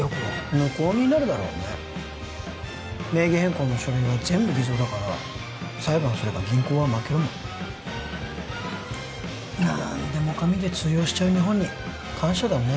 無効になるだろうね名義変更の書類は全部偽造だから裁判すれば銀行は負けるもんなんでも紙で通用しちゃう日本に感謝だね